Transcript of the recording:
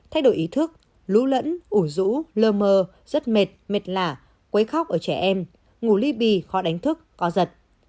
thay đổi ý thức lũ lẫn ủ rũ lơ mờ rất mệt mệt lạ quấy khóc ở trẻ em ngủ ly bì khó đánh thức có giật